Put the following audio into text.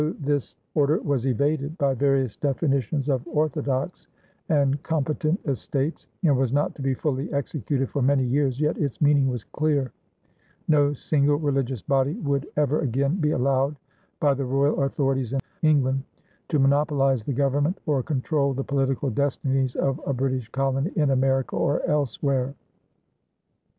Though this order was evaded by various definitions of "orthodox" and "competent estates" and was not to be fully executed for many years, yet its meaning was clear no single religious body would ever again be allowed, by the royal authorities in England, to monopolize the government or control the political destinies of a British colony in America or elsewhere.